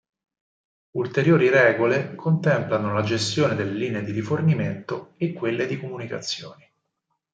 Ulteriori regole contemplano la gestione delle linee di rifornimento e quelle di comunicazione.